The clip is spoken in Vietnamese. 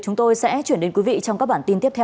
chúng tôi sẽ chuyển đến quý vị trong các bản tin tiếp theo